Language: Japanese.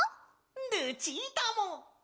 ルチータも！